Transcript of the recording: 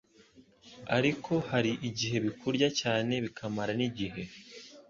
ariko hari igihe bikurya cyane bikamara n'igihe.